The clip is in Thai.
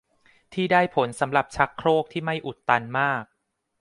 ที่ได้ผลสำหรับชักโครกที่ไม่อุดตันมาก